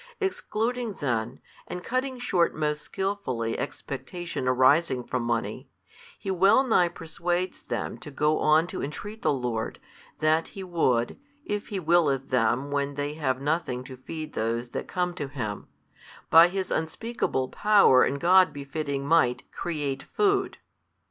Excluding then, and cutting short most skilfully expectation arising from money, He well nigh persuades them to go on to entreat the Lord, that He would, if He willeth them when they have nothing to feed those that come to Him, by His unspeakable Power and God befitting Might create food.